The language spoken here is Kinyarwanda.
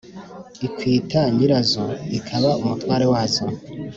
ikwita nyirazo: ikaba umutware wazo